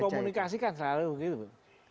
aku komunikasi kan selalu gitu